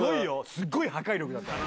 すごい破壊力だった。